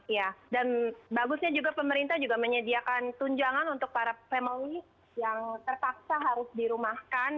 ya dan bagusnya juga pemerintah juga menyediakan tunjangan untuk para family yang terpaksa harus dirumahkan